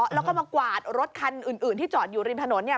แล้วก็มากวาดรถคันอื่นที่จอดอยู่ริมถนน